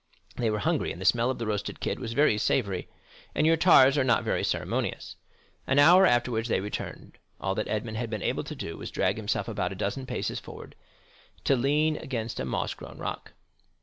They were hungry, and the smell of the roasted kid was very savory, and your tars are not very ceremonious. An hour afterwards they returned. All that Edmond had been able to do was to drag himself about a dozen paces forward to lean against a moss grown rock.